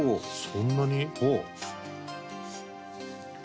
そんなに？